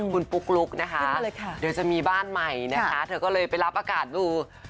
คุณปุ๊กลุ๊กนะคะเดี๋ยวจะมีบ้านใหม่นะคะเธอก็เลยไปรับอากาศดู